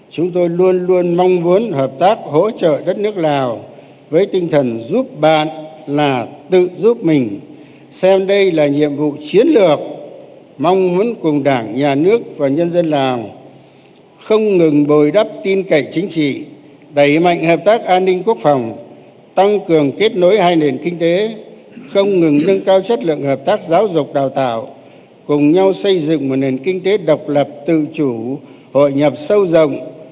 chúng tôi luôn luôn mong muốn hợp tác hỗ trợ đất nước lào với tinh thần giúp bạn là tự giúp mình xem đây là nhiệm vụ chiến lược mong muốn cùng đảng nhà nước và nhân dân lào không ngừng bồi đắp tin cậy chính trị đẩy mạnh hợp tác an ninh quốc phòng tăng cường kết nối hai nền kinh tế không ngừng nâng cao chất lượng hợp tác giáo dục đào tạo cùng nhau xây dựng một nền kinh tế độc lập tự chủ hội nhập sâu rộng